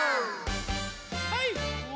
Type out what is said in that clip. はい。